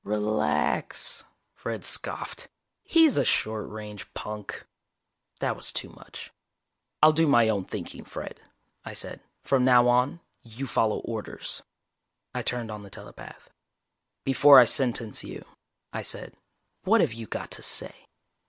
"Relax," Fred scoffed. "He's a short range punk." That was too much. "I'll do my own thinking, Fred," I said. "From now on, you follow orders." I turned on the telepath. "Before I sentence you," I said. "What have you got to say?"